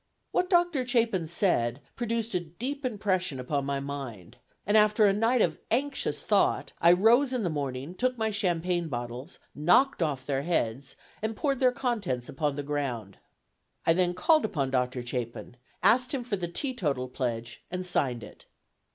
What Doctor Chapin said produced a deep impression upon my mind, and after a night of anxious thought, I rose in the morning, took my champagne bottles, knocked off their heads, and poured their contents upon the ground. I then called upon Doctor Chapin, asked him for the teetotal pledge, and signed it.